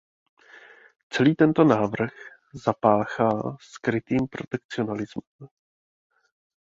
Celý tento návrh zapáchá skrytým protekcionismem.